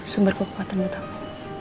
sumber kekuatan buat aku